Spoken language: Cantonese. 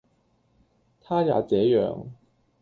他也這樣。